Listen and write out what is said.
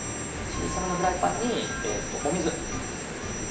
小さめのフライパンに、お水。